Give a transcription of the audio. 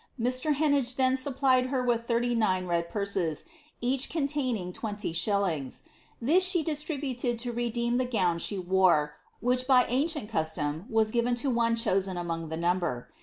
Mr. Heneage then supplied her wilh thirty nine red purses, each containing twenty shil lingsj this she distributed to redeem the gown she wore, which bv ancient custom was given to one chosen among the number.